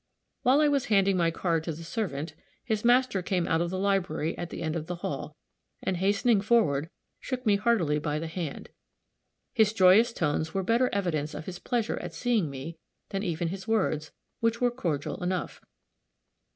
While I was handing my card to the servant, his master came out of the library at the end of the hall, and hastening forward, shook me heartily by the hand. His joyous tones were better evidence of his pleasure at seeing me, than even his words, which were cordial enough.